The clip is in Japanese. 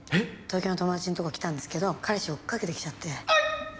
東京の友達のとこ来たんですけど彼氏追っかけてきちゃって。